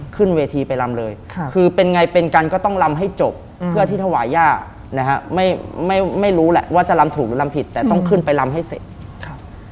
ขึ้นเวทีไปลำเลยค่ะคือเป็นไงเป็นกันก็ต้องลำให้จบเพื่อที่ถวายย่านะฮะไม่ไม่ไม่รู้แหละว่าจะลำถูกหรือลำผิดแต่ต้องขึ้นไปลำให้เสร็จครับ